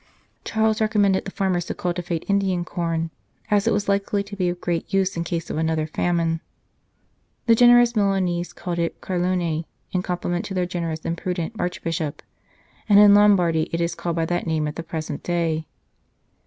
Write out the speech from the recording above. Charles recommended the farmers to cultivate Indian corn, as it was likely to be of great use in case of another famine. The grateful Milanese called it Carlone, in com pliment to their generous and prudent Archbishop, and in Lombardy it is called by that name at the present day.